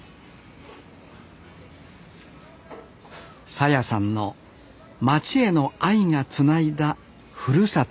沙耶さんの町への愛がつないだふるさとの味です